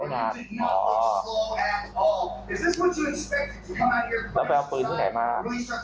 แล้วไปเอาปืนที่ไหนมา